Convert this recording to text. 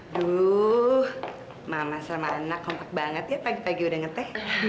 aduh mama sama anak kompak banget ya pagi pagi udah ngeteh